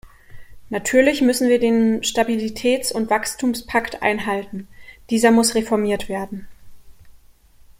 Natürlich müssen wir den Stabilitätsund Wachstumspakt einhalten. Dieser muss reformiert werden.